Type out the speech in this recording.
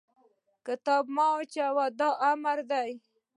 کتاب مه اچوه! دا امر دی.